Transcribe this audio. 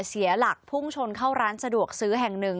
เสียหลักพุ่งชนเข้าร้านสะดวกซื้อแห่งหนึ่ง